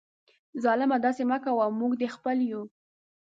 ظالمه داسي مه کوه ، موږ دي خپل یو